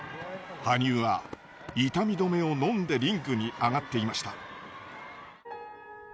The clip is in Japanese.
羽生は痛み止めをのんでリンクに上がっていました。